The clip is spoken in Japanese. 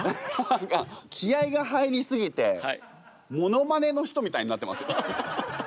何か気合いが入りすぎてものまねの人みたいになってますよ。